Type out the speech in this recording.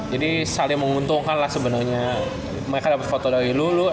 jadi saling menguntungkan lah sebenarnya mereka dapat foto dari lo